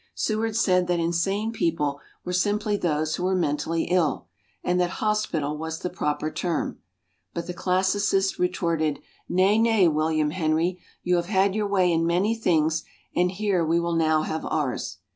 Seward said that insane people were simply those who were mentally ill, and that "Hospital" was the proper term. But the classicists retorted, "Nay, nay, William Henry, you have had your way in many things and here we will now have ours."